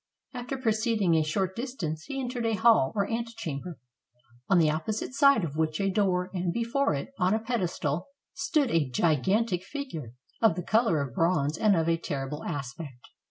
After proceeding a short distance, he entered a hall or antechamber, on the opposite side of which was a door, and before it, on a pedestal, stood a gigantic figure, of the color of bronze and of a terrible aspect.